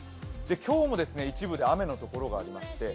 今日も一部で雨の所があります。